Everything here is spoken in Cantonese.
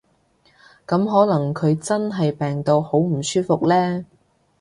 噉可能佢真係病到好唔舒服呢